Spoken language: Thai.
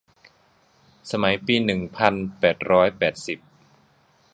สมัยปีหนึ่งพันแปดร้อยแปดสิบ